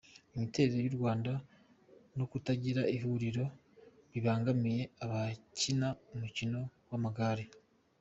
Imiterere y’u Rwanda no kutagira ihuriro bibangamiye abakina umukino wamagare